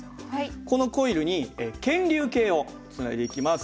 このコイルに検流計をつないでいきます。